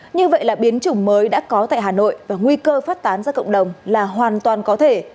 như vậy là biến chủng mới đã có tại hà nội và nguy cơ phát tán ra cộng đồng là hoàn toàn có thể